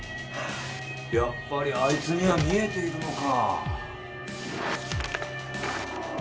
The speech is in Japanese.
やっぱりあいつには見えているのか。